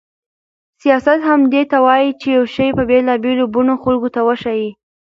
سیاست همدې ته وایي چې یو شی په بېلابېلو بڼو خلکو ته وښيي.